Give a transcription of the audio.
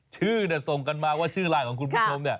ชื่อส่งกันมาว่าชื่อไลน์ของคุณผู้ชม